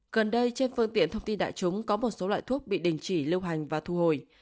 gần đây trên phương tiện thông tin đại chúng có một số loại thuốc bị đình chỉ lưu hành và thu hồi